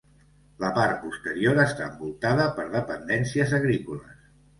La part posterior està envoltada per dependències agrícoles.